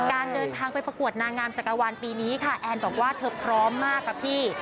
การเดินทางไปประกวดนางงามจักรวาลปีนี้ค่ะแอนบอกว่าเธอพร้อมมากค่ะพี่